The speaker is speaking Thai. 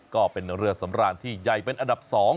ก็เป็นเรือสำราญที่ใหญ่เป็นอันดับ๒